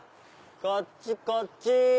こっちこっち。